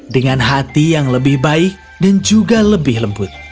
dengan hati yang lebih baik dan juga lebih lembut